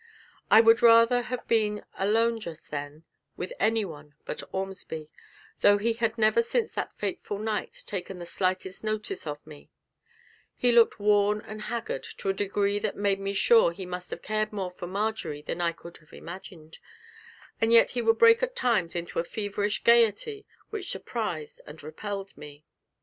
I would rather have been alone just then with anyone but Ormsby, though he had never since that fatal night taken the slightest notice of me; he looked worn and haggard to a degree that made me sure he must have cared more for Marjory than I could have imagined, and yet he would break at times into a feverish gaiety which surprised and repelled me.